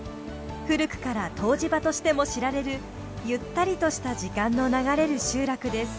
古くから湯治場としても知られるゆったりとした時間の流れる集落です。